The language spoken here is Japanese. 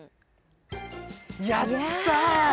やったー！